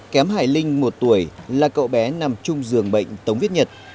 kém hải linh một tuổi là cậu bé nằm chung giường bệnh tống viết nhật